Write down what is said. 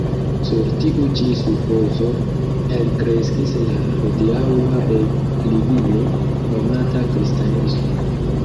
Sur tiu ĉi supozo elkreskis la hodiaŭa religio, nomata kristanismo.